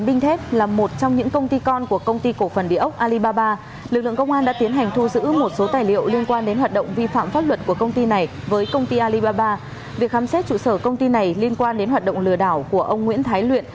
việc khám xét trụ sở công ty này liên quan đến hoạt động lừa đảo của ông nguyễn thái luyện